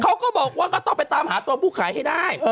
เขาก็บอกว่าก็ต้องไปตามหาตัวผู้ขายให้ได้